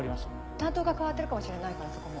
担当が代わってるかもしれないからそこも。